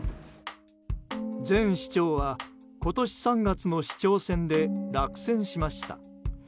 前市長は今年３月の市長選で落選しました。